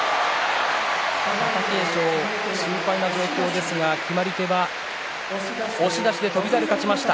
貴景勝は心配な状況ですが決まり手は押し出しで翔猿が勝ちました。